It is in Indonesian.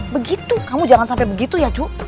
begitu kamu jangan sampe begitu ya cu